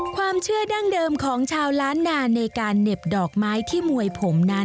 ความเชื่อดั้งเดิมของชาวล้านนาในการเหน็บดอกไม้ที่มวยผมนั้น